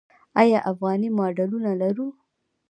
آیا افغاني ماډلونه لرو؟